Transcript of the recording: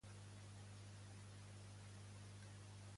Punxar amb una agulla o brotxeta.